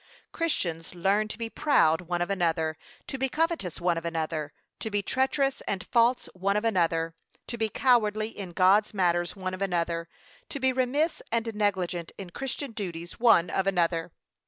Christians learn to be proud one of another, to be covetous one of another, to be treacherous and false one of another, to be cowardly in God's matters one of another, to be remiss and negligent in christian duties one of another.